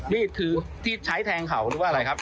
นี่คือที่ใช้แทงเขาหรือว่าอะไรครับ